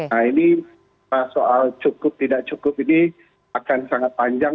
nah ini soal cukup tidak cukup ini akan sangat panjang